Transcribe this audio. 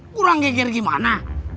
kurang geger gimana